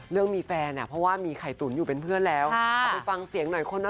เรื่องมีแฟนอ่ะเพราะว่ามีไข่ตุ๋นอยู่เป็นเพื่อนแล้วเอาไปฟังเสียงหน่อยคนนะ